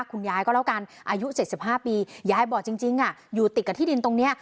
คุณยายก็แล้วกันอายุ๗๕ปียายบอกจริงอยู่ติดกับที่ดินตรงนี้